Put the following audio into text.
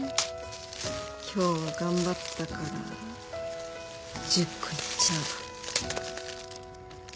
今日は頑張ったから１０個いっちゃおう。